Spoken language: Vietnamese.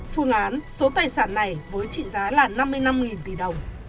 phương án số tài sản này với trị giá là năm mươi năm tỷ đồng